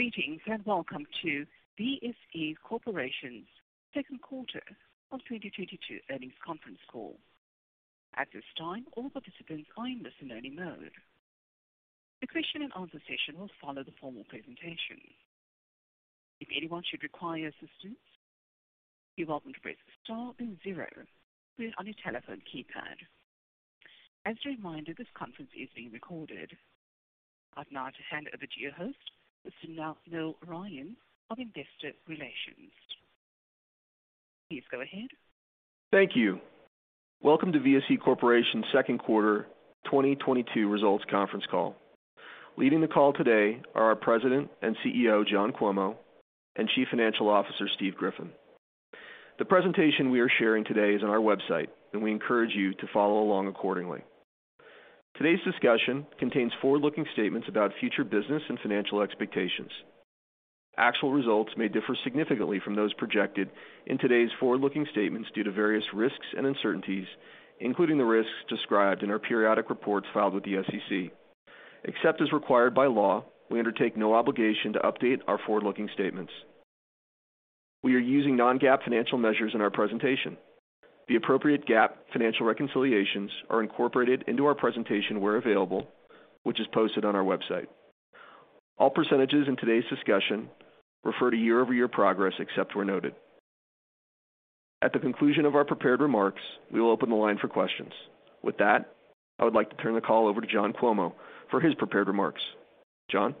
Greetings, and welcome to VSE Corporation's Second Quarter of 2022 Earnings Conference Call. At this time, all participants are in listen-only mode. The question and answer session will follow the formal presentation. If anyone should require assistance, you're welcome to press star then zero on your telephone keypad. As a reminder, this conference is being recorded. I'd now like to hand over to your host, Mr. Noel Ryan of Investor Relations. Please go ahead. Thank you. Welcome to VSE Corporation Second Quarter 2022 Results Conference Call. Leading the call today are our President and CEO, John Cuomo, and Chief Financial Officer, Stephen Griffin. The presentation we are sharing today is on our website, and we encourage you to follow along accordingly. Today's discussion contains forward-looking statements about future business and financial expectations. Actual results may differ significantly from those projected in today's forward-looking statements due to various risks and uncertainties, including the risks described in our periodic reports filed with the SEC. Except as required by law, we undertake no obligation to update our forward-looking statements. We are using non-GAAP financial measures in our presentation. The appropriate GAAP financial reconciliations are incorporated into our presentation where available, which is posted on our website. All percentages in today's discussion refer to year-over-year progress, except where noted. At the conclusion of our prepared remarks, we will open the line for questions. With that, I would like to turn the call over to John Cuomo for his prepared remarks. John?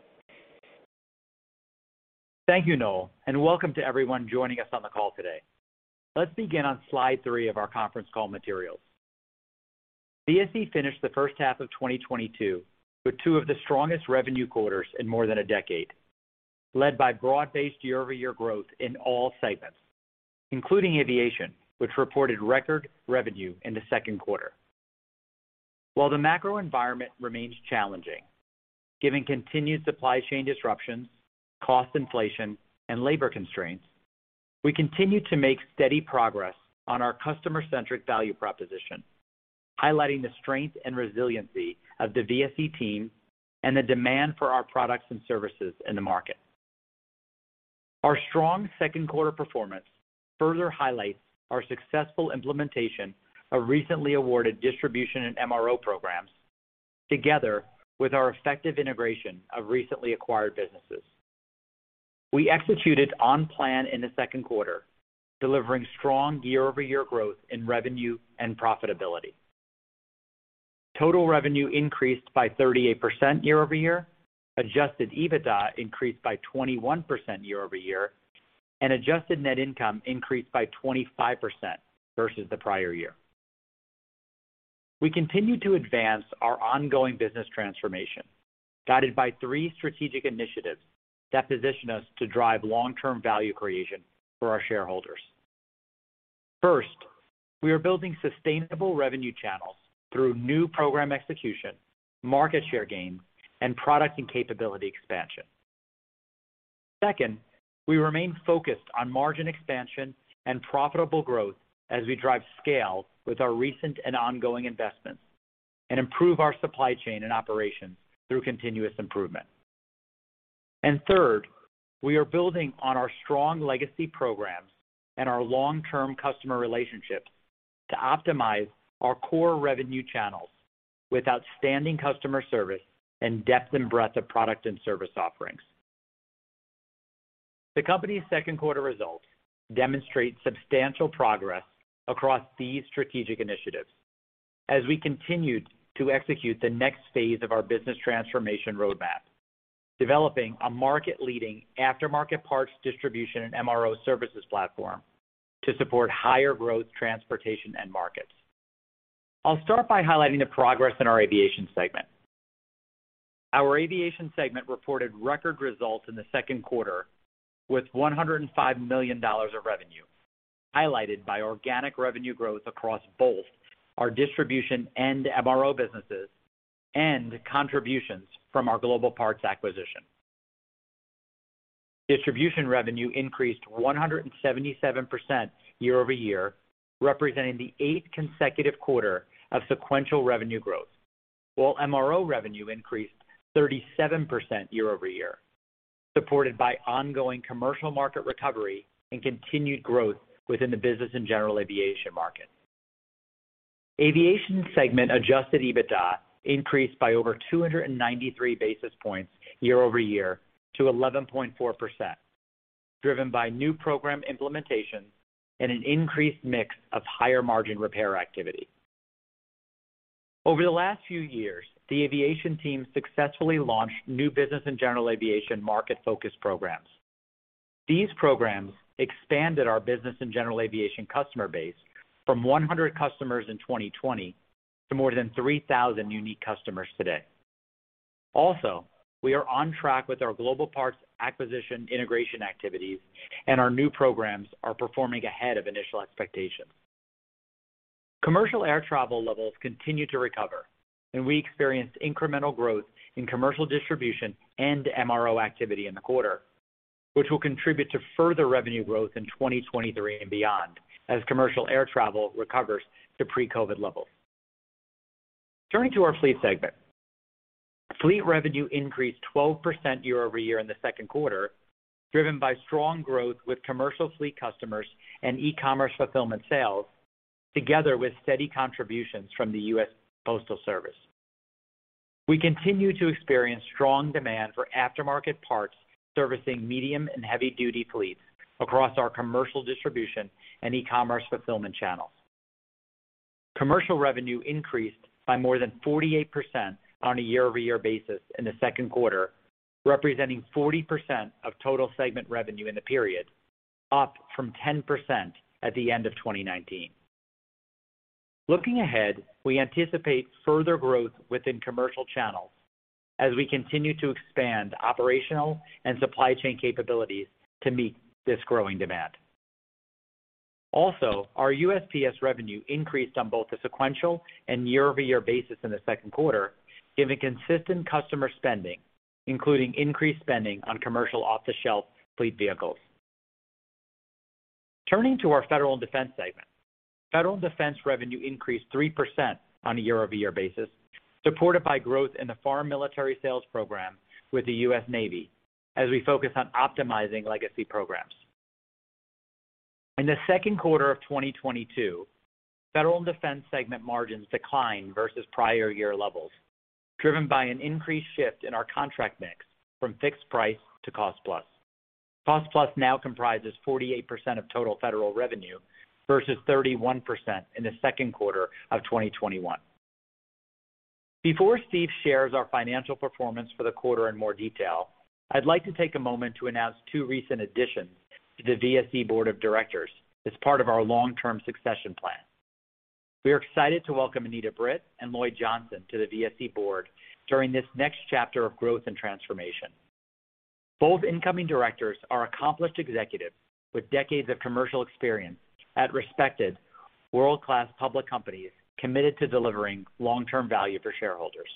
Thank you, Noel, and welcome to everyone joining us on the call today. Let's begin on Slide three of our conference call materials. VSE finished the first half of 2022 with two of the strongest revenue quarters in more than a decade, led by broad-based year-over-year growth in all segments, including aviation, which reported record revenue in the second quarter. While the macro environment remains challenging, given continued supply chain disruptions, cost inflation, and labor constraints, we continue to make steady progress on our customer-centric value proposition, highlighting the strength and resiliency of the VSE team and the demand for our products and services in the market. Our strong second quarter performance further highlights our successful implementation of recently awarded distribution and MRO programs, together with our effective integration of recently acquired businesses. We executed on plan in the second quarter, delivering strong year-over-year growth in revenue and profitability. Total revenue increased by 38% year-over-year, adjusted EBITDA increased by 21% year-over-year, and adjusted net income increased by 25% versus the prior year. We continue to advance our ongoing business transformation, guided by three strategic initiatives that position us to drive long-term value creation for our shareholders. First, we are building sustainable revenue channels through new program execution, market share gains, and product and capability expansion. Second, we remain focused on margin expansion and profitable growth as we drive scale with our recent and ongoing investments and improve our supply chain and operations through continuous improvement. Third, we are building on our strong legacy programs and our long-term customer relationships to optimize our core revenue channels with outstanding customer service and depth and breadth of product and service offerings. The company's second quarter results demonstrate substantial progress across these strategic initiatives as we continued to execute the next phase of our business transformation roadmap, developing a market-leading aftermarket parts distribution and MRO services platform to support higher growth transportation end markets. I'll start by highlighting the progress in our aviation segment. Our aviation segment reported record results in the second quarter with $105 million of revenue, highlighted by organic revenue growth across both our distribution and MRO businesses and contributions from our global parts acquisition. Distribution revenue increased 177% year-over-year, representing the eighth consecutive quarter of sequential revenue growth. While MRO revenue increased 37% year-over-year, supported by ongoing commercial market recovery and continued growth within the business and general aviation market. Aviation segment adjusted EBITDA increased by over 293 basis points year-over-year to 11.4%, driven by new program implementations and an increased mix of higher margin repair activity. Over the last few years, the aviation team successfully launched new Business and General Aviation market focus programs. These programs expanded our Business and General Aviation customer base from 100 customers in 2020 to more than 3,000 unique customers today. Also, we are on track with our Global Parts acquisition integration activities and our new programs are performing ahead of initial expectations. Commercial air travel levels continue to recover, and we experienced incremental growth in commercial distribution and MRO activity in the quarter, which will contribute to further revenue growth in 2023 and beyond as commercial air travel recovers to pre-COVID levels. Turning to our fleet segment. Fleet revenue increased 12% year-over-year in the second quarter, driven by strong growth with commercial fleet customers and e-commerce fulfillment sales together with steady contributions from the U.S. Postal Service. We continue to experience strong demand for aftermarket parts servicing medium and heavy duty fleets across our commercial distribution and e-commerce fulfillment channels. Commercial revenue increased by more than 48% on a year-over-year basis in the second quarter, representing 40% of total segment revenue in the period, up from 10% at the end of 2019. Looking ahead, we anticipate further growth within commercial channels as we continue to expand operational and supply chain capabilities to meet this growing demand. Also, our USPS revenue increased on both the sequential and year-over-year basis in the second quarter, given consistent customer spending, including increased spending on commercial off-the-shelf fleet vehicles. Turning to our federal and defense segment. Federal and defense revenue increased 3% on a year-over-year basis, supported by growth in the foreign military sales program with the U.S. Navy as we focus on optimizing legacy programs. In the second quarter of 2022, federal and defense segment margins declined versus prior year levels, driven by an increased shift in our contract mix from fixed price to cost plus. Cost plus now comprises 48% of total federal revenue versus 31% in the second quarter of 2021. Before Steve shares our financial performance for the quarter in more detail, I'd like to take a moment to announce two recent additions to the VSE Board of Directors as part of our long-term succession plan. We are excited to welcome Anita Britt and Lloyd Johnson to the VSE board during this next chapter of growth and transformation. Both incoming directors are accomplished executives with decades of commercial experience at respected world-class public companies committed to delivering long-term value for shareholders.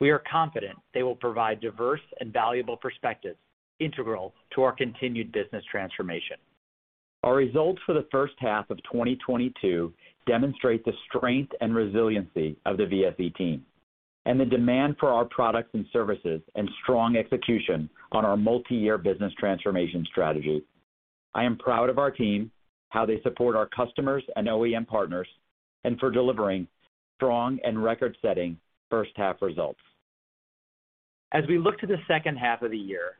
We are confident they will provide diverse and valuable perspectives integral to our continued business transformation. Our results for the first half of 2022 demonstrate the strength and resiliency of the VSE team and the demand for our products and services and strong execution on our multi-year business transformation strategy. I am proud of our team, how they support our customers and OEM partners, and for delivering strong and record-setting first half results. As we look to the second half of the year,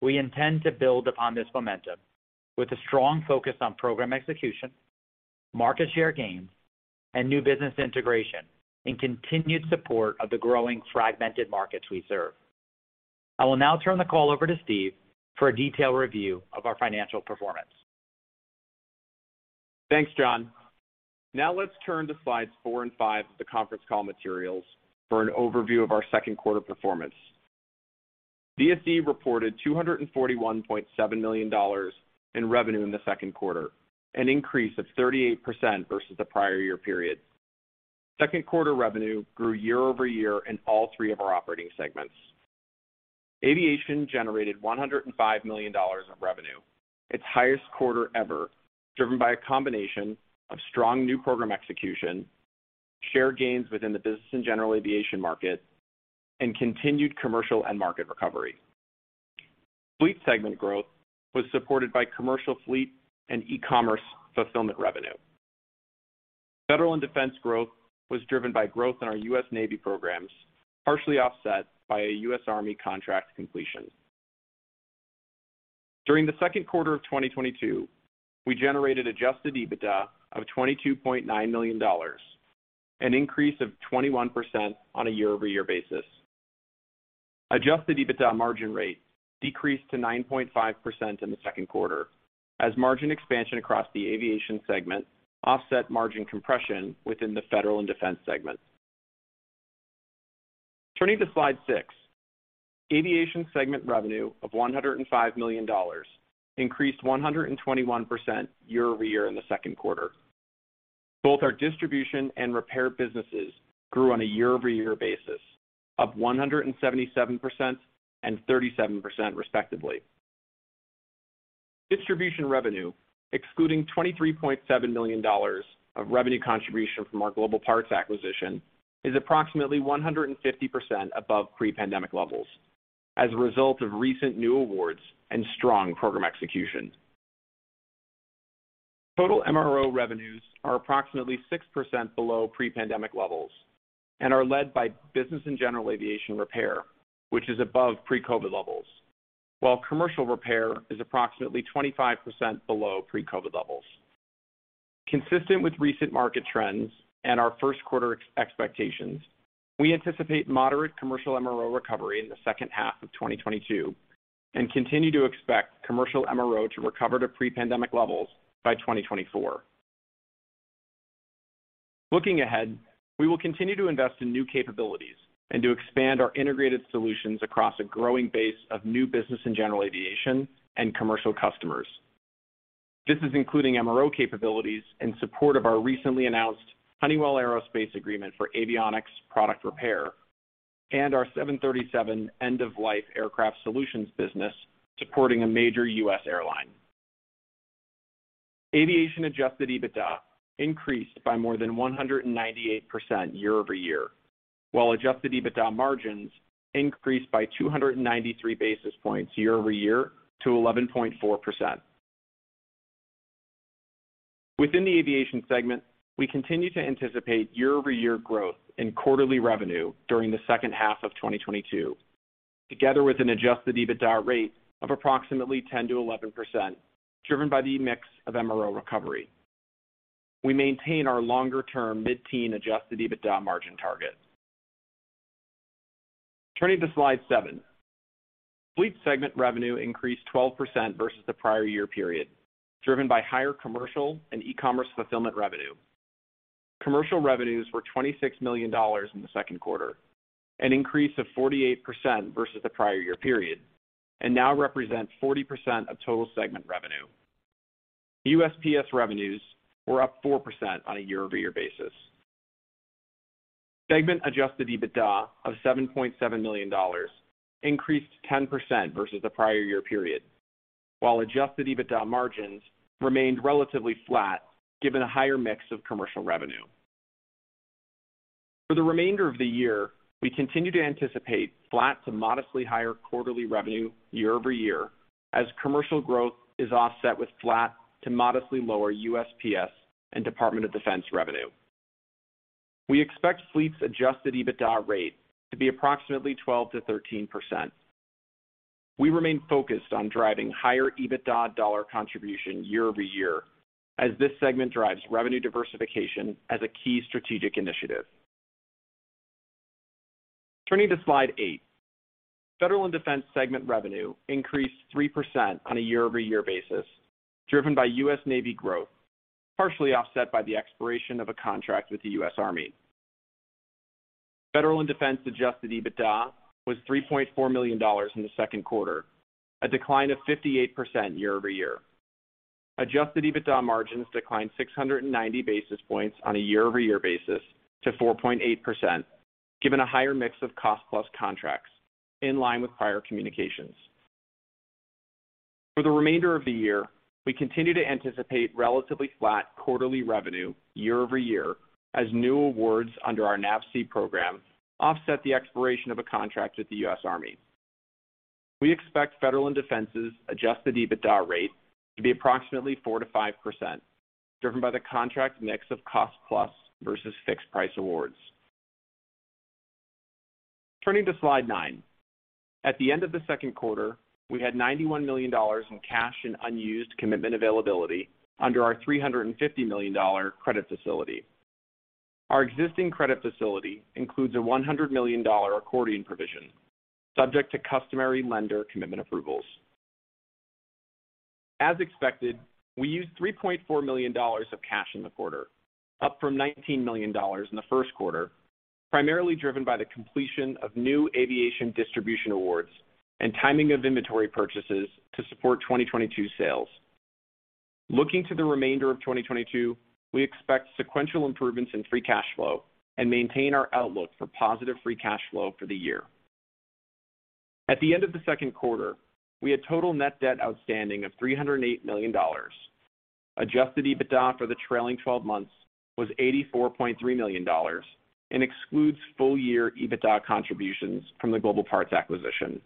we intend to build upon this momentum with a strong focus on program execution, market share gains, and new business integration in continued support of the growing fragmented markets we serve. I will now turn the call over to Steve for a detailed review of our financial performance. Thanks, John. Now let's turn to Slides four and five of the conference call materials for an overview of our second quarter performance. VSE reported $241.7 million in revenue in the second quarter, an increase of 38% versus the prior year period. Second quarter revenue grew year-over-year in all three of our operating segments. Aviation generated $105 million of revenue, its highest quarter ever, driven by a combination of strong new program execution, share gains within the business and general aviation market, and continued commercial end market recovery. Fleet segment growth was supported by commercial fleet and e-commerce fulfillment revenue. Federal and defense growth was driven by growth in our U.S. Navy programs, partially offset by a U.S. Army contract completion. During the second quarter of 2022, we generated adjusted EBITDA of $22.9 million, an increase of 21% on a year-over-year basis. Adjusted EBITDA margin rate decreased to 9.5% in the second quarter as margin expansion across the aviation segment offset margin compression within the federal and defense segment. Turning to Slide six. Aviation segment revenue of $105 million increased 121% year over year in the second quarter. Both our distribution and repair businesses grew on a year-over-year basis of 177% and 37% respectively. Distribution revenue, excluding $23.7 million of revenue contribution from our global parts acquisition, is approximately 150% above pre-pandemic levels as a result of recent new awards and strong program execution. Total MRO revenues are approximately 6% below pre-pandemic levels and are led by business and general aviation repair, which is above pre-COVID levels, while commercial repair is approximately 25% below pre-COVID levels. Consistent with recent market trends and our first quarter expectations, we anticipate moderate commercial MRO recovery in the second half of 2022 and continue to expect commercial MRO to recover to pre-pandemic levels by 2024. Looking ahead, we will continue to invest in new capabilities and to expand our integrated solutions across a growing base of new business and general aviation and commercial customers. This is including MRO capabilities in support of our recently announced Honeywell Aerospace agreement for avionics product repair and our 737 end-of-life aircraft solutions business supporting a major U.S. airline. Aviation adjusted EBITDA increased by more than 198% year-over-year, while adjusted EBITDA margins increased by 293 basis points year-over-year to 11.4%. Within the aviation segment, we continue to anticipate year-over-year growth in quarterly revenue during the second half of 2022, together with an adjusted EBITDA rate of approximately 10%-11%, driven by the mix of MRO recovery. We maintain our longer-term mid-teen adjusted EBITDA margin target. Turning to Slide seven. Fleet segment revenue increased 12% versus the prior year period, driven by higher commercial and e-commerce fulfillment revenue. Commercial revenues were $26 million in the second quarter, an increase of 48% versus the prior year period, and now represent 40% of total segment revenue. USPS revenues were up 4% on a year-over-year basis. Segment adjusted EBITDA of $7.7 million increased 10% versus the prior year period, while adjusted EBITDA margins remained relatively flat given a higher mix of commercial revenue. For the remainder of the year, we continue to anticipate flat to modestly higher quarterly revenue year-over-year as commercial growth is offset with flat to modestly lower USPS and Department of Defense revenue. We expect Fleet's adjusted EBITDA rate to be approximately 12%-13%. We remain focused on driving higher EBITDA dollar contribution year-over-year as this segment drives revenue diversification as a key strategic initiative. Turning to Slide eight. Federal and Defense segment revenue increased 3% on a year-over-year basis, driven by U.S. Navy growth, partially offset by the expiration of a contract with the U.S. Army. Federal and Defense adjusted EBITDA was $3.4 million in the second quarter, a decline of 58% year-over-year. Adjusted EBITDA margins declined 690 basis points on a year-over-year basis to 4.8%, given a higher mix of cost plus contracts in line with prior communications. For the remainder of the year, we continue to anticipate relatively flat quarterly revenue year-over-year as new awards under our NAVSEA program offset the expiration of a contract with the US Army. We expect Federal and Defense's adjusted EBITDA rate to be approximately 4%-5%, driven by the contract mix of cost plus versus fixed price awards. Turning to Slide nine. At the end of the second quarter, we had $91 million in cash and unused commitment availability under our $350 million credit facility. Our existing credit facility includes a $100 million accordion provision subject to customary lender commitment approvals. As expected, we used $3.4 million of cash in the quarter, up from $19 million in the first quarter, primarily driven by the completion of new aviation distribution awards and timing of inventory purchases to support 2022 sales. Looking to the remainder of 2022, we expect sequential improvements in Free Cash Flow and maintain our outlook for positive Free Cash Flow for the year. At the end of the second quarter, we had total net debt outstanding of $308 million. Adjusted EBITDA for the trailing twelve months was $84.3 million and excludes full year EBITDA contributions from the Global Parts acquisition.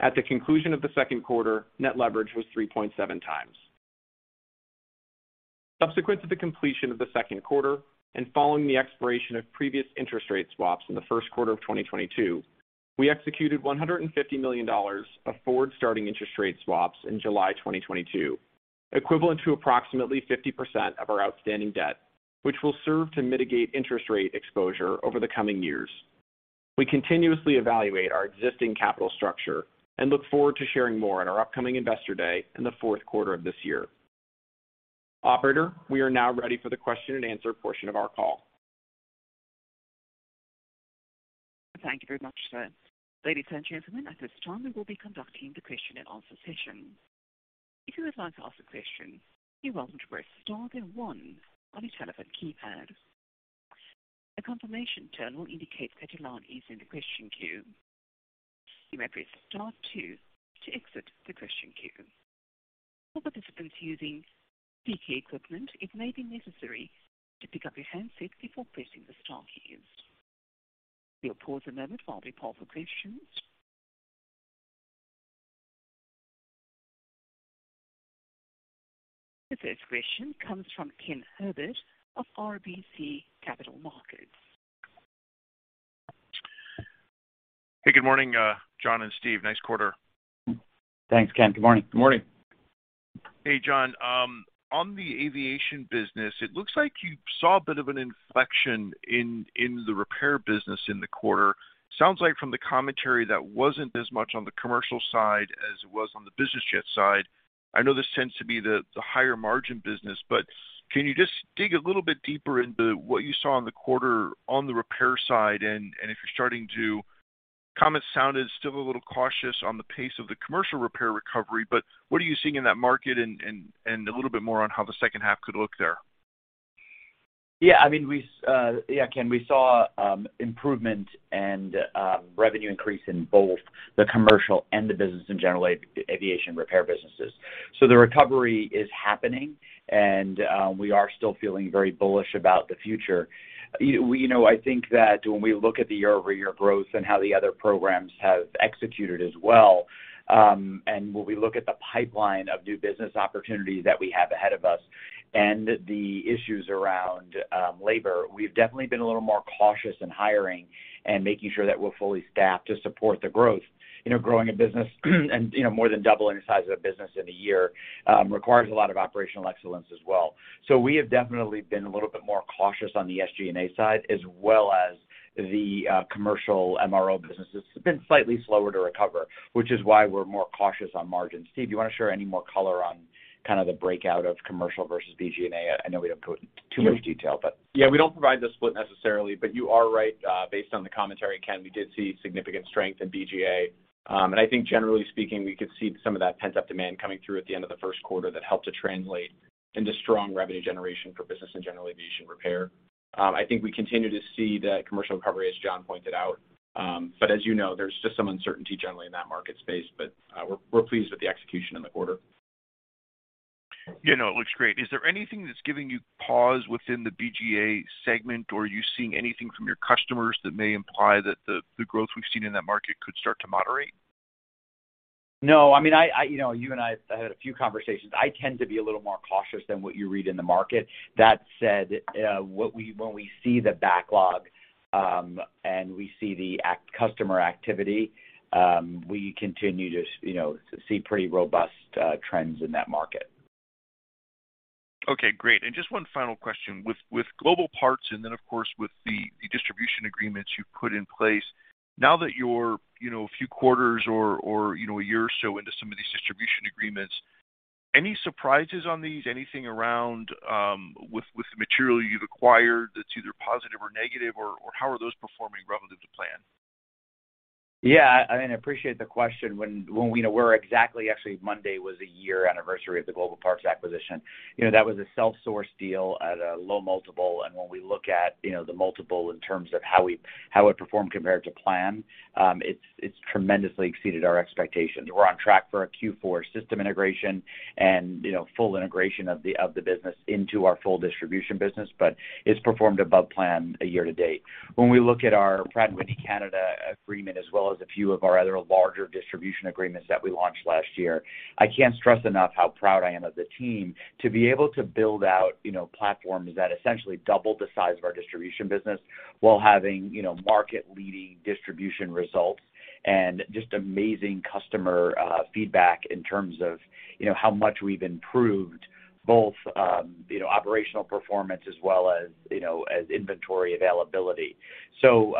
At the conclusion of the second quarter, net leverage was 3.7 times. Subsequent to the completion of the second quarter and following the expiration of previous interest rate swaps in the first quarter of 2022, we executed $150 million of forward starting interest rate swaps in July 2022, equivalent to approximately 50% of our outstanding debt, which will serve to mitigate interest rate exposure over the coming years. We continuously evaluate our existing capital structure and look forward to sharing more at our upcoming Investor Day in the fourth quarter of this year. Operator, we are now ready for the question and answer portion of our call. Thank you very much, sir. Ladies and gentlemen, at this time, we will be conducting the question and answer session. If you would like to ask a question, you're welcome to press star then one on your telephone keypad. A confirmation tone will indicate that your line is in the question queue. You may press star two to exit the question queue. For participants using web equipment, it may be necessary to pick up your handset before pressing the star key. We'll pause a moment while we poll for questions. The first question comes from Ken Herbert of RBC Capital Markets. Hey, good morning, John and Steve. Nice quarter. Thanks, Ken. Good morning. Good morning. Hey, John. On the aviation business, it looks like you saw a bit of an inflection in the repair business in the quarter. Sounds like from the commentary that wasn't as much on the commercial side as it was on the business jet side. I know this tends to be the higher margin business, but can you just dig a little bit deeper into what you saw in the quarter on the repair side? Comments sounded still a little cautious on the pace of the commercial repair recovery, but what are you seeing in that market and a little bit more on how the second half could look there? Yeah, I mean, we saw improvement and revenue increase in both the commercial and the business and general aviation repair businesses. The recovery is happening, and we are still feeling very bullish about the future. You know, we know, I think that when we look at the year-over-year growth and how the other programs have executed as well, and when we look at the pipeline of new business opportunities that we have ahead of us and the issues around labor, we've definitely been a little more cautious in hiring and making sure that we're fully staffed to support the growth. You know, growing a business and, you know, more than doubling the size of a business in a year, requires a lot of operational excellence as well. We have definitely been a little bit more cautious on the SG&A side, as well as the commercial MRO businesses have been slightly slower to recover, which is why we're more cautious on margins. Steve, do you wanna share any more color on kind of the breakout of commercial versus BG&A? I know we don't go in too much detail, but. Yeah, we don't provide the split necessarily, but you are right. Based on the commentary, Ken, we did see significant strength in BG&A. I think generally speaking, we could see some of that pent-up demand coming through at the end of the first quarter that helped to translate into strong revenue generation for business and general aviation repair. I think we continue to see that commercial recovery, as John pointed out. As you know, there's just some uncertainty generally in that market space, but we're pleased with the execution in the quarter. Yeah, no, it looks great. Is there anything that's giving you pause within the BG&A segment, or are you seeing anything from your customers that may imply that the growth we've seen in that market could start to moderate? No, I mean, you know, you and I have had a few conversations. I tend to be a little more cautious than what you read in the market. That said, when we see the backlog and we see the customer activity, we continue to, you know, to see pretty robust trends in that market. Okay, great. Just one final question. With Global Parts, and then of course, with the distribution agreements you've put in place, now that you're, you know, a few quarters or you know, a year or so into some of these distribution agreements, any surprises on these? Anything around, with the material you've acquired that's either positive or negative or how are those performing relative to plan? I appreciate the question. Actually, Monday was a year anniversary of the Global Parts acquisition. You know, that was a self-source deal at a low multiple, and when we look at, you know, the multiple in terms of how it performed compared to plan, it's tremendously exceeded our expectations. We're on track for a Q4 system integration and, you know, full integration of the business into our full distribution business, but it's performed above plan year to date. When we look at our Pratt & Whitney Canada agreement, as well as a few of our other larger distribution agreements that we launched last year, I can't stress enough how proud I am of the team to be able to build out, you know, platforms that essentially double the size of our distribution business while having, you know, market-leading distribution results and just amazing customer feedback in terms of, you know, how much we've improved both, you know, operational performance as well as, you know, as inventory availability. So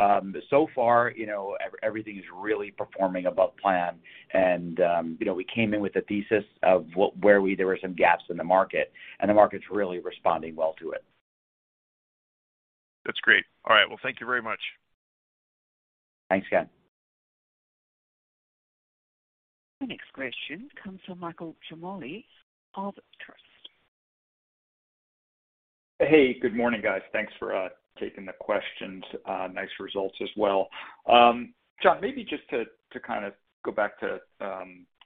far, you know, everything is really performing above plan and, you know, we came in with a thesis of where there were some gaps in the market, and the market's really responding well to it. That's great. All right. Well, thank you very much. Thanks, Ken. Our next question comes from Michael Ciarmoli of Truist. Hey, good morning, guys. Thanks for taking the questions. Nice results as well. John, maybe just to kind of go back to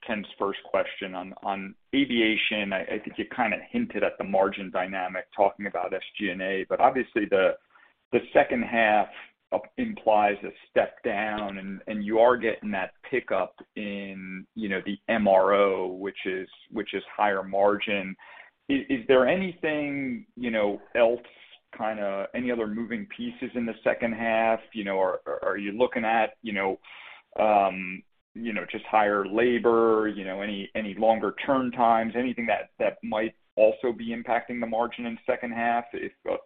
Ken's first question on aviation. I think you kinda hinted at the margin dynamic talking about SG&A, but obviously the second half implies a step down, and you are getting that pickup in, you know, the MRO, which is higher margin. Is there anything, you know, else kinda any other moving pieces in the second half? You know, are you looking at, you know, just higher labor, you know, any longer turn times, anything that might also be impacting the margin in second half?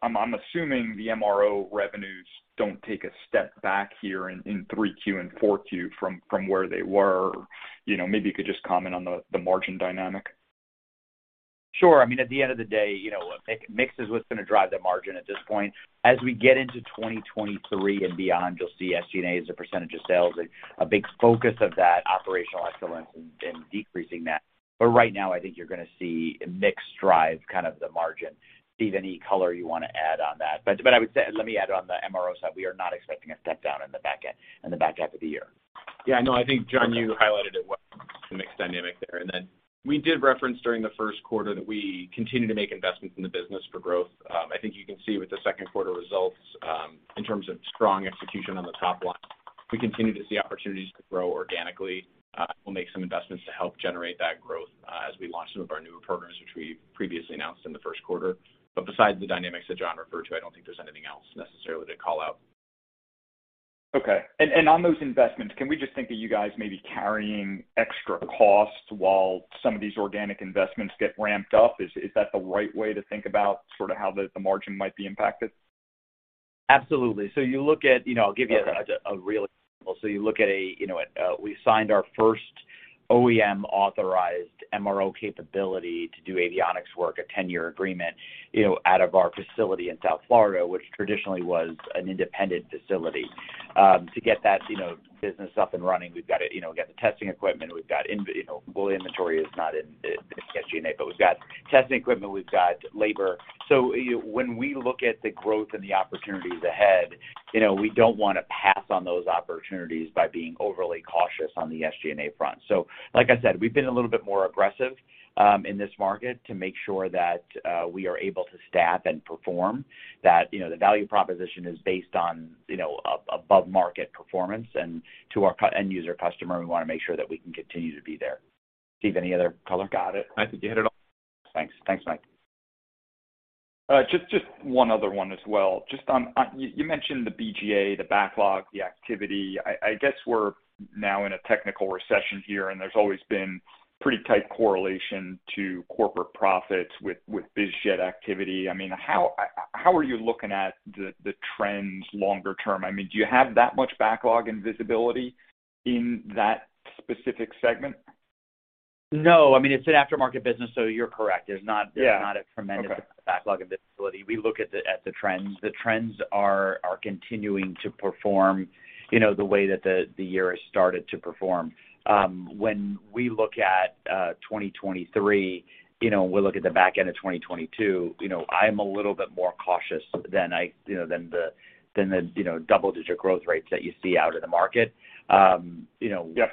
I'm assuming the MRO revenues don't take a step back here in 3Q and 4Q from where they were. You know, maybe you could just comment on the margin dynamic. Sure. I mean, at the end of the day, you know, mix is what's gonna drive the margin at this point. As we get into 2023 and beyond, you'll see SG&A as a percentage of sales, a big focus of that operational excellence in decreasing that. Right now, I think you're gonna see mix drive kind of the margin. Steve, any color you wanna add on that? I would say, let me add on the MRO side, we are not expecting a step down in the back half of the year. Yeah, no, I think, John, you highlighted it well, the mix dynamic there. Then we did reference during the first quarter that we continue to make investments in the business for growth. I think you can see with the second quarter results, in terms of strong execution on the top line, we continue to see opportunities to grow organically. We'll make some investments to help generate that growth, as we launch some of our newer programs, which we previously announced in the first quarter. Besides the dynamics that John referred to, I don't think there's anything else necessarily to call out. Okay. On those investments, can we just think that you guys may be carrying extra costs while some of these organic investments get ramped up? Is that the right way to think about sort of how the margin might be impacted? Absolutely. You look at. You know, I'll give you a real example. You look at a, you know, we signed our first OEM authorized MRO capability to do avionics work, a 10-year agreement, you know, out of our facility in South Florida, which traditionally was an independent facility. To get that, you know, business up and running, we've got to, you know, get the testing equipment, we've got inventory. You know, inventory is not in SG&A, but we've got testing equipment, we've got labor. When we look at the growth and the opportunities ahead, you know, we don't wanna pass on those opportunities by being overly cautious on the SG&A front. Like I said, we've been a little bit more aggressive in this market to make sure that we are able to staff and perform, that you know the value proposition is based on you know above market performance. To our end user customer, we wanna make sure that we can continue to be there. Steve, any other color? Got it. I think you hit it all. Thanks. Thanks, Mike. Just one other one as well. Just on. You mentioned the BG&A, the backlog, the activity. I guess we're now in a technical recession here, and there's always been pretty tight correlation to corporate profits with biz jet activity. I mean, how are you looking at the trends longer term? I mean, do you have that much backlog and visibility in that specific segment? No. I mean, it's an aftermarket business, so you're correct. There's not- Yeah. There's not a tremendous. Okay Backlog of visibility. We look at the trends. The trends are continuing to perform, you know, the way that the year has started to perform. When we look at 2023, you know, and we look at the back end of 2022, you know, I'm a little bit more cautious than I, you know, than the, you know, double-digit growth rates that you see out in the market. Yeah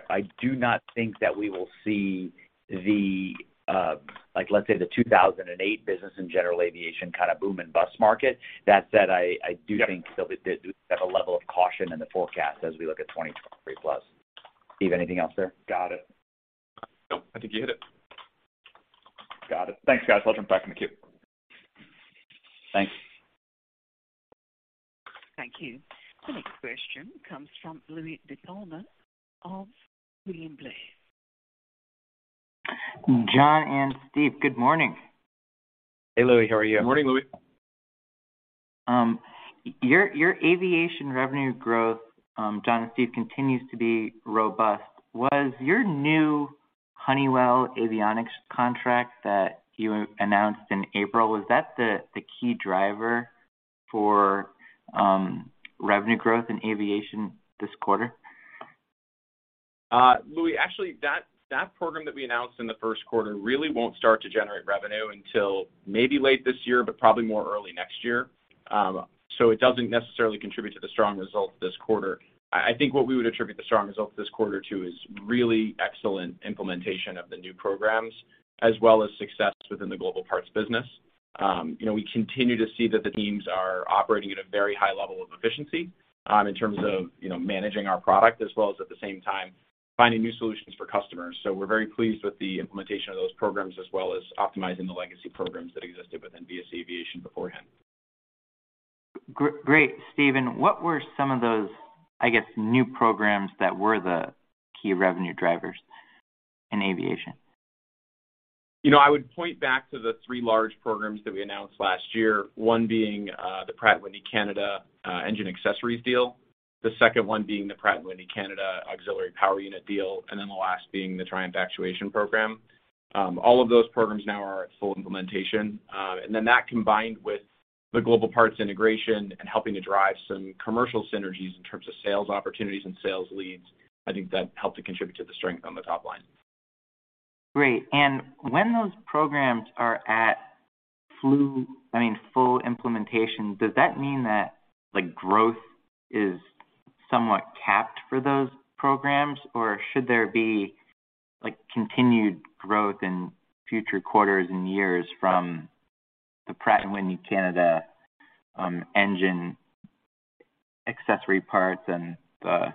I do not think that we will see the, like, let's say, the 2008 business and general aviation kind of boom and bust market. That said, I do think- Yeah... there'll be a level of caution in the forecast as we look at 2023 plus. Steve, anything else there? Got it. Nope. I think you hit it. Got it. Thanks, guys. I'll jump back in the queue. Thanks. Thank you. The next question comes from Louie DiPalma of William Blair. John and Steve, good morning. Hey, Louie. How are you? Good morning, Louie. Your aviation revenue growth, John and Steve, continues to be robust. Was your new Honeywell avionics contract that you announced in April, was that the key driver for revenue growth in aviation this quarter? Louie, actually, that program that we announced in the first quarter really won't start to generate revenue until maybe late this year, but probably more like early next year. It doesn't necessarily contribute to the strong results this quarter. I think what we would attribute the strong results this quarter to is really excellent implementation of the new programs, as well as success within the Global Parts business. You know, we continue to see that the teams are operating at a very high level of efficiency, in terms of, you know, managing our product as well as at the same time finding new solutions for customers. We're very pleased with the implementation of those programs, as well as optimizing the legacy programs that existed within VSE Aviation beforehand. Great. Steve, what were some of those, I guess, new programs that were the key revenue drivers in aviation? You know, I would point back to the three large programs that we announced last year. One being, the Pratt & Whitney Canada engine accessories deal. The second one being the Pratt & Whitney Canada auxiliary power unit deal, and then the last being the Triumph Actuation program. All of those programs now are at full implementation. That combined with the Global Parts integration and helping to drive some commercial synergies in terms of sales opportunities and sales leads, I think that helped to contribute to the strength on the top line. Great. When those programs are at full implementation, does that mean that, like, growth is somewhat capped for those programs? Or should there be, like, continued growth in future quarters and years from the Pratt & Whitney Canada engine accessory parts and the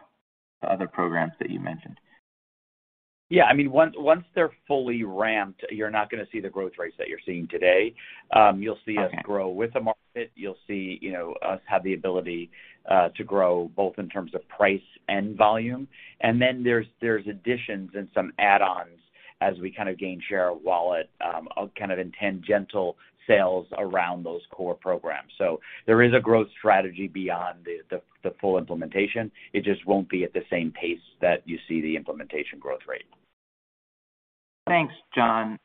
other programs that you mentioned? Yeah. I mean, once they're fully ramped, you're not gonna see the growth rates that you're seeing today. You'll see us- Okay Grow with the market. You'll see, you know, us have the ability to grow both in terms of price and volume. Then there's additions and some add-ons as we kind of gain share wallet kind of in tangential sales around those core programs. There is a growth strategy beyond the full implementation. It just won't be at the same pace that you see the implementation growth rate. Thanks, John.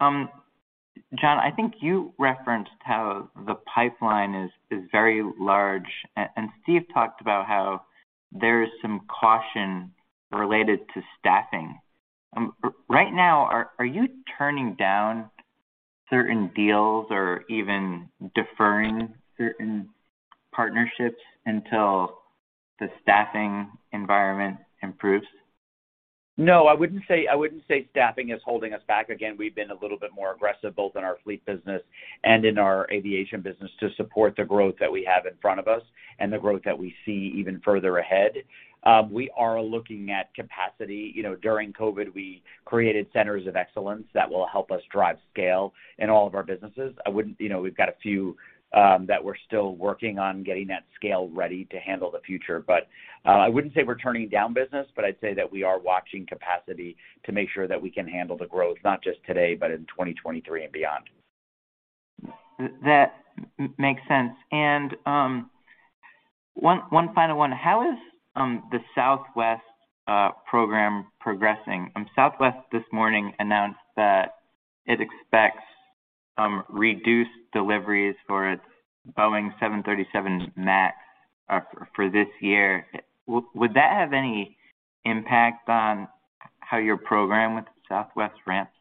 John, I think you referenced how the pipeline is very large, and Steve talked about how there is some caution related to staffing. Right now, are you turning down certain deals or even deferring certain partnerships until the staffing environment improves? No. I wouldn't say staffing is holding us back. Again, we've been a little bit more aggressive both in our fleet business and in our aviation business to support the growth that we have in front of us and the growth that we see even further ahead. We are looking at capacity. You know, during COVID, we created centers of excellence that will help us drive scale in all of our businesses. You know, we've got a few that we're still working on getting that scale ready to handle the future. I wouldn't say we're turning down business, but I'd say that we are watching capacity to make sure that we can handle the growth, not just today, but in 2023 and beyond. That makes sense. One final one. How is the Southwest program progressing? Southwest this morning announced that it expects reduced deliveries for its Boeing 737 MAX for this year. Would that have any impact on how your program with Southwest ramps?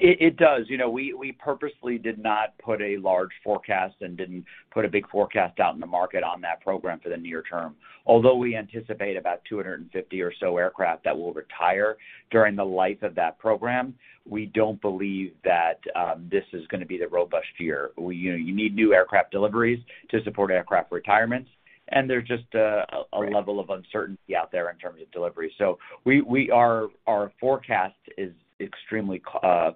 It does. You know, we purposely did not put a large forecast and didn't put a big forecast out in the market on that program for the near term. Although we anticipate about 250 or so aircraft that will retire during the life of that program, we don't believe that this is gonna be the robust year. You know, you need new aircraft deliveries to support aircraft retirements, and there's just a level of uncertainty out there in terms of delivery. Our forecast is extremely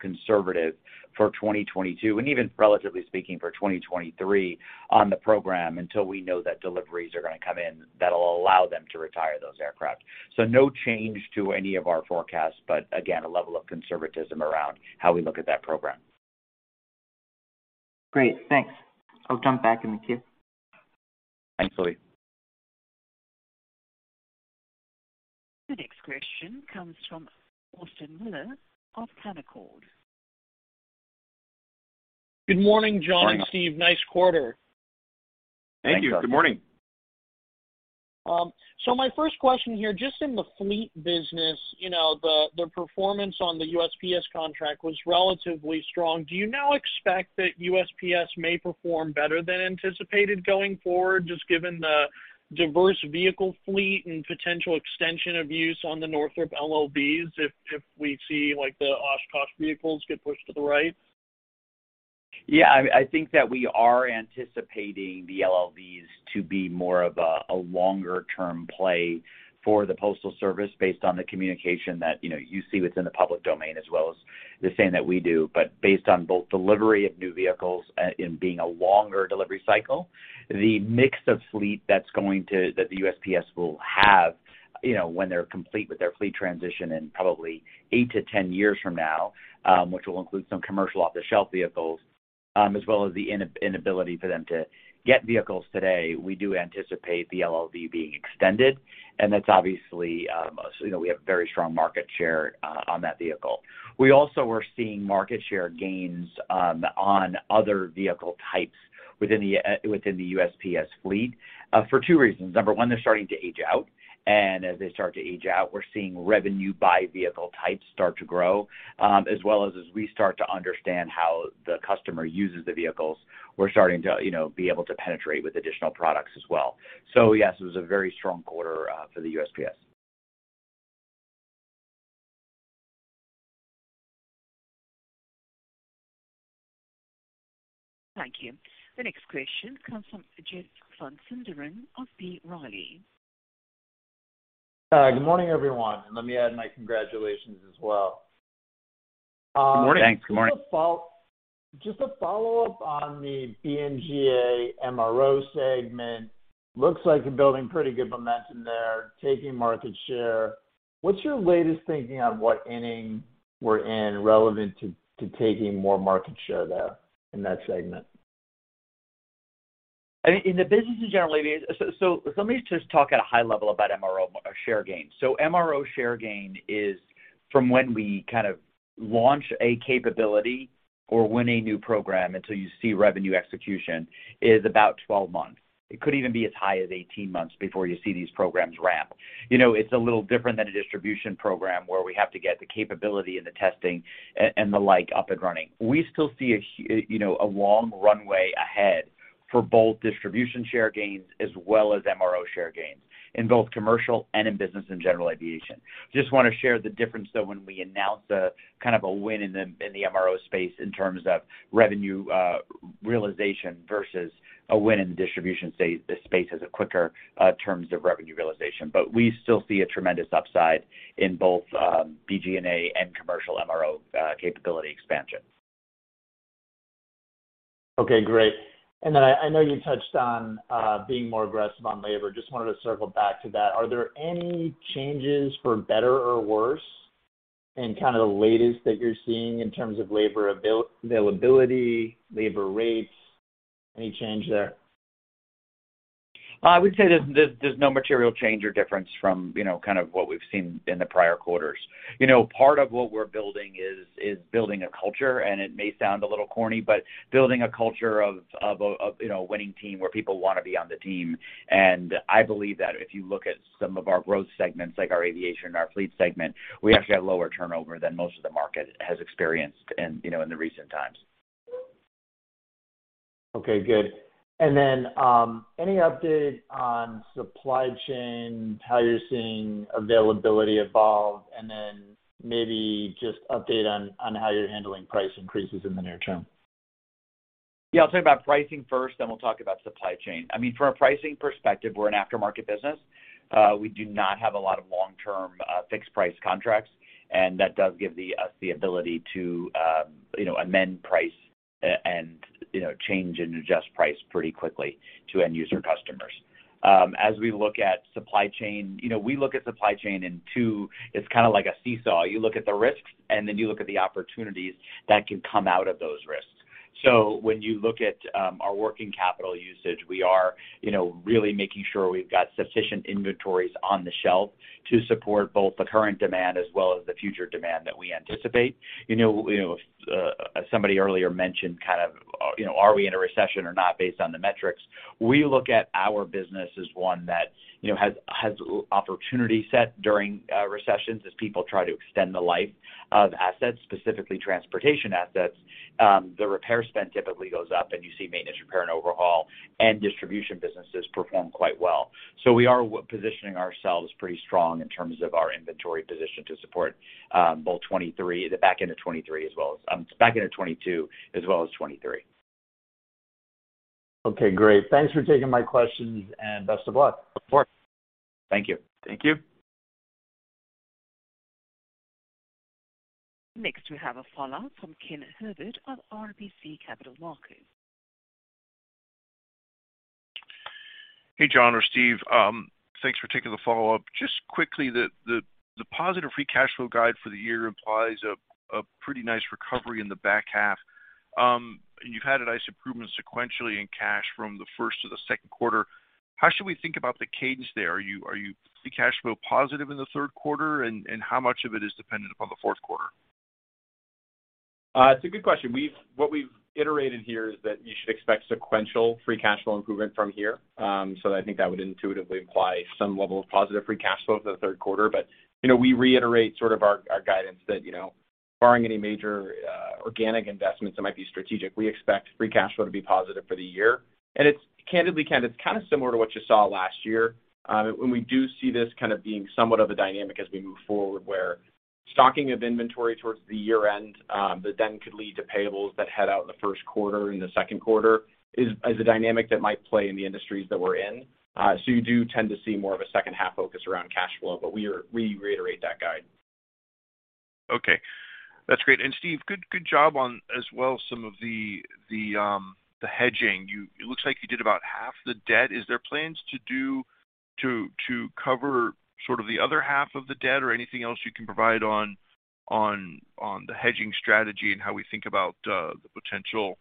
conservative for 2022, and even relatively speaking for 2023 on the program until we know that deliveries are gonna come in that'll allow them to retire those aircraft. No change to any of our forecasts, but again, a level of conservatism around how we look at that program. Great. Thanks. I'll jump back in the queue. Thanks, B. Riley. The next question comes from Austin Moeller of Canaccord. Good morning, John and Steve. Nice quarter. Thank you. Good morning. My first question here, just in the fleet business, you know, the performance on the USPS contract was relatively strong. Do you now expect that USPS may perform better than anticipated going forward, just given the diverse vehicle fleet and potential extension of use on the Grumman LLVs if we see, like, the Oshkosh vehicles get pushed to the right? Yeah. I think that we are anticipating the LLVs to be more of a longer-term play for the Postal Service based on the communication that, you know, you see what's in the public domain as well as the same that we do. Based on both delivery of new vehicles and being a longer delivery cycle, the mix of fleet that the USPS will have, you know, when they're complete with their fleet transition in probably 8-10 years from now, which will include some commercial off-the-shelf vehicles as well as the inability for them to get vehicles today, we do anticipate the LLV being extended, and that's obviously, you know, we have very strong market share on that vehicle. We also are seeing market share gains on other vehicle types within the USPS fleet for two reasons. Number one, they're starting to age out, and as they start to age out, we're seeing revenue by vehicle types start to grow. As well as we start to understand how the customer uses the vehicles, we're starting to, you know, be able to penetrate with additional products as well. Yes, it was a very strong quarter for the USPS. Thank you. The next question comes from Ajay Vashishat of B. Riley. Hi. Good morning, everyone, and let me add my congratulations as well. Good morning. Thanks. Good morning. Just a follow-up on the BG&A MRO segment. Looks like you're building pretty good momentum there, taking market share. What's your latest thinking on what inning we're in relevant to taking more market share there in that segment? I mean, in the businesses generally, so let me just talk at a high level about MRO share gain. MRO share gain is from when we kind of launch a capability or win a new program until you see revenue execution is about 12 months. It could even be as high as 18 months before you see these programs ramp. You know, it's a little different than a distribution program where we have to get the capability and the testing and the like up and running. We still see a long runway ahead for both distribution share gains as well as MRO share gains in both commercial and in business and general aviation. Just wanna share the difference, though, when we announce a kind of win in the MRO space in terms of revenue realization versus a win in the distribution space as quicker terms of revenue realization. We still see a tremendous upside in both BG&A and commercial MRO capability expansion. Okay. Great. I know you touched on being more aggressive on labor. Just wanted to circle back to that. Are there any changes for better or worse in kind of the latest that you're seeing in terms of labor availability, labor rates? Any change there? I would say there's no material change or difference from, you know, kind of what we've seen in the prior quarters. You know, part of what we're building is building a culture, and it may sound a little corny, but building a culture of a winning team where people wanna be on the team. I believe that if you look at some of our growth segments, like our aviation, our fleet segment, we actually have lower turnover than most of the market has experienced in, you know, in the recent times. Okay. Good. Any update on supply chain, how you're seeing availability evolve, and then maybe just update on how you're handling price increases in the near term? Yeah. I'll talk about pricing first, then we'll talk about supply chain. I mean, from a pricing perspective, we're an aftermarket business. We do not have a lot of long-term fixed price contracts, and that does give us the ability to you know, amend price and you know, change and adjust price pretty quickly to end user customers. As we look at supply chain, you know, we look at supply chain in two. It's kind of like a seesaw. You look at the risks, and then you look at the opportunities that can come out of those risks. So when you look at our working capital usage, we are you know, really making sure we've got sufficient inventories on the shelf to support both the current demand as well as the future demand that we anticipate. You know, somebody earlier mentioned kind of, you know, are we in a recession or not based on the metrics. We look at our business as one that, you know, has opportunity set during recessions as people try to extend the life of assets, specifically transportation assets. The repair spend typically goes up and you see maintenance repair and overhaul and distribution businesses perform quite well. We are positioning ourselves pretty strong in terms of our inventory position to support both 2023, the back end of 2023 as well as back end of 2022 as well as 2023. Okay, great. Thanks for taking my questions and best of luck. Of course. Thank you. Thank you. Next, we have a follow-up from Kenneth Herbert of RBC Capital Markets. Hey, John or Steve. Thanks for taking the follow-up. Just quickly, the positive Free Cash Flow guide for the year implies a pretty nice recovery in the back half. You've had a nice improvement sequentially in cash from the first to the second quarter. How should we think about the cadence there? Are you Free Cash Flow positive in the third quarter? How much of it is dependent upon the fourth quarter? It's a good question. What we've iterated here is that you should expect sequential Free Cash Flow improvement from here. I think that would intuitively imply some level of positive Free Cash Flow for the third quarter. You know, we reiterate our guidance that, you know, barring any major organic investments that might be strategic, we expect Free Cash Flow to be positive for the year. Candidly, Ken, it's kind of similar to what you saw last year. When we do see this kind of being somewhat of a dynamic as we move forward, where stocking of inventory towards the year end, that then could lead to payables that head out in the first quarter, in the second quarter is a dynamic that might play in the industries that we're in. You do tend to see more of a second-half focus around cash flow, but we reiterate that guide. Okay, that's great. Steve, good job on some of the hedging. It looks like you did about half the debt. Is there plans to cover sort of the other half of the debt or anything else you can provide on the hedging strategy and how we think about the potential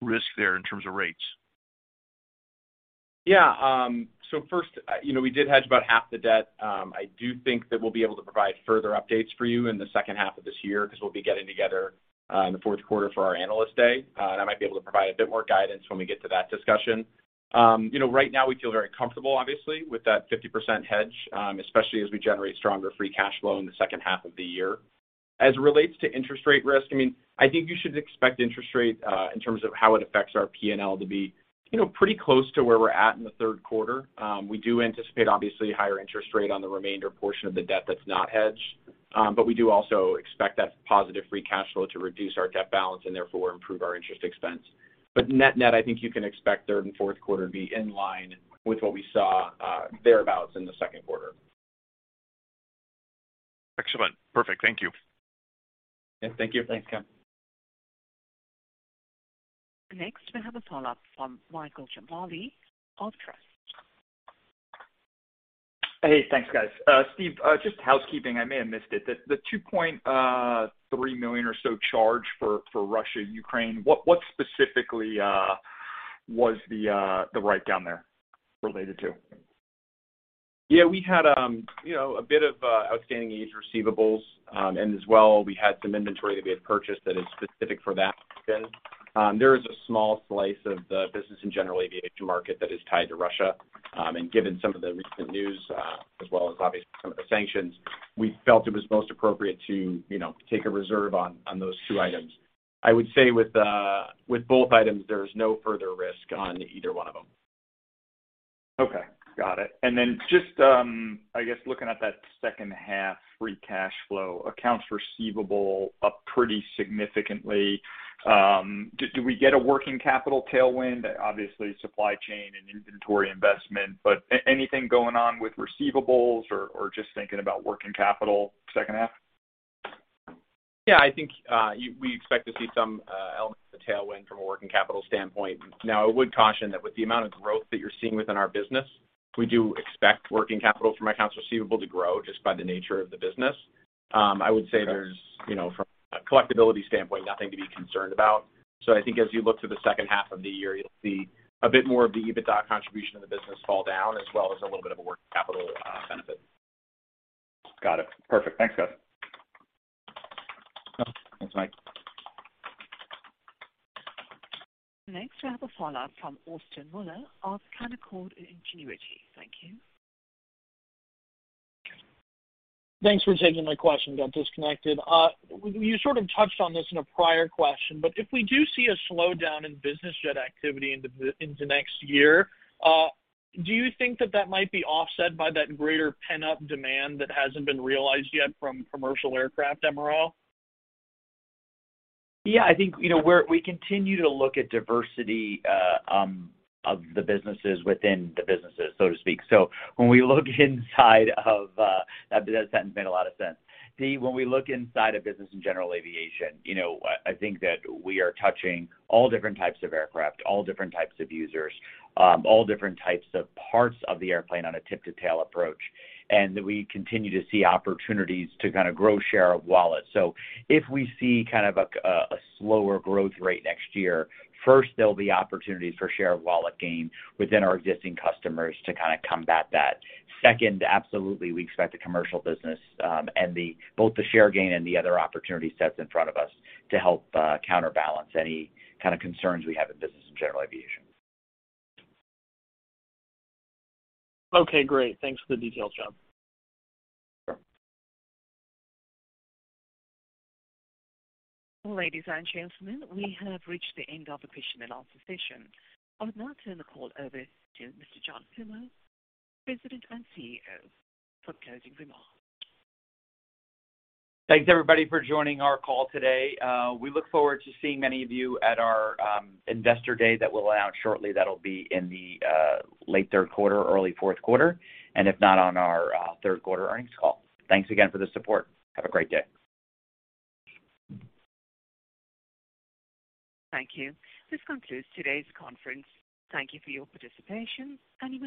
risk there in terms of rates? Yeah. First, you know, we did hedge about half the debt. I do think that we'll be able to provide further updates for you in the second half of this year 'cause we'll be getting together in the fourth quarter for our Analyst Day. That might be able to provide a bit more guidance when we get to that discussion. You know, right now we feel very comfortable obviously with that 50% hedge, especially as we generate stronger Free Cash Flow in the second half of the year. As it relates to interest rate risk, I mean, I think you should expect interest rate in terms of how it affects our PNL to be, you know, pretty close to where we're at in the third quarter. We do anticipate obviously higher interest rate on the remainder portion of the debt that's not hedged. We do also expect that positive Free Cash Flow to reduce our debt balance and therefore improve our interest expense. Net-net, I think you can expect third and fourth quarter to be in line with what we saw, thereabouts in the second quarter. Excellent. Perfect. Thank you. Yeah, thank you. Thanks, Ken. Next we have a follow-up from Michael Ciarmoli of Truist. Hey, thanks, guys. Steve, just housekeeping, I may have missed it. The $2.3 million or so charge for Russia, Ukraine, what specifically was the write down there related to? Yeah, we had, you know, a bit of outstanding aged receivables. As well, we had some inventory that we had purchased that is specific for that. There is a small slice of the business in general aviation market that is tied to Russia. Given some of the recent news, as well as obviously some of the sanctions, we felt it was most appropriate to, you know, take a reserve on those two items. I would say with both items, there's no further risk on either one of them. Okay. Got it. Just, I guess looking at that second half Free Cash Fow, accounts receivable up pretty significantly. Do we get a working capital tailwind? Obviously, supply chain and inventory investment, but anything going on with receivables or just thinking about working capital second half? Yeah. I think we expect to see some elements of tailwind from a working capital standpoint. Now, I would caution that with the amount of growth that you're seeing within our business, we do expect working capital from accounts receivable to grow just by the nature of the business. I would say there's Okay. You know, from a collectibility standpoint, nothing to be concerned about. I think as you look to the second half of the year, you'll see a bit more of the EBITDA contribution of the business fall down, as well as a little bit of a working capital, benefit. Got it. Perfect. Thanks, guys. Thanks, Mike. Next, we have a follow-up from Austin Moeller of Canaccord Genuity. Thank you. Thanks for taking my question. Got disconnected. You sort of touched on this in a prior question, but if we do see a slowdown in business jet activity into next year, do you think that might be offset by that greater pent-up demand that hasn't been realized yet from commercial aircraft MRO? Yeah. I think, you know, we continue to look at diversity of the businesses within the businesses, so to speak. When we look inside of... That sentence made a lot of sense. See, when we look inside of Business and General Aviation, you know, I think that we are touching all different types of aircraft, all different types of users, all different types of parts of the airplane on a tip to tail approach, and that we continue to see opportunities to kinda grow share of wallet. If we see kind of a slower growth rate next year, first there'll be opportunities for share of wallet gain within our existing customers to kinda combat that. Second, absolutely, we expect the commercial business, and both the share gain and the other opportunity sets in front of us to help counterbalance any kinda concerns we have in business and general aviation. Okay, great. Thanks for the details, John. Sure. Ladies and gentlemen, we have reached the end of the question and answer session. I'll now turn the call over to Mr. John Cuomo, President and CEO, for closing remarks. Thanks everybody for joining our call today. We look forward to seeing many of you at our Investor Day that we'll hold shortly. That'll be in the late third quarter, early fourth quarter, and if not, on our third quarter earnings call. Thanks again for the support. Have a great day. Thank you. This concludes today's conference. Thank you for your participation and you.